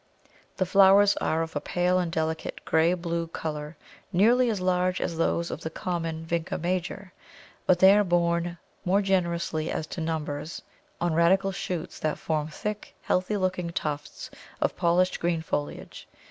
The flowers are of a pale and delicate grey blue colour, nearly as large as those of the common Vinca major, but they are borne more generously as to numbers on radical shoots that form thick, healthy looking tufts of polished green foliage.